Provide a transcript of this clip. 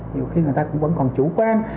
nhiều khi người ta cũng vẫn còn chủ quan